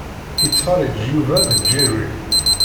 Ittfeṛṛiǧ Yuba & Jerry.